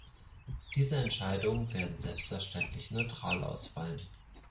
Diese Entscheidungen werden selbstverständlich neutral ausfallen.